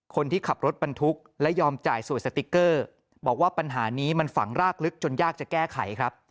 คนที่ขับรถบรรทุกและยอมจ่ายสวยสติ๊กเกอร์บอกว่าปัญหานี้มันฝังรากลึกจนยากจะแก้ไขครับ